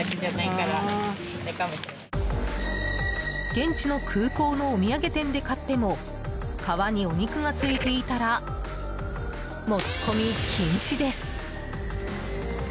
現地の空港のお土産店で買っても皮にお肉がついていたら持ち込み禁止です。